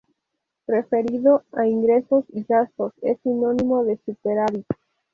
Referido a ingresos y gastos, es sinónimo de superávit.